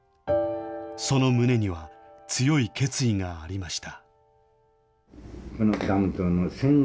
その胸には強い決意がありました。